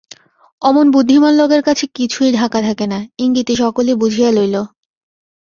অমন বুদ্ধিমান লোকের কাছে কিছুই ঢাকা থাকে না, ইঙ্গিতে সকলই বুঝিয়া লইল।